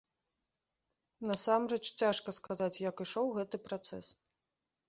Насамрэч цяжка сказаць, як ішоў гэты працэс.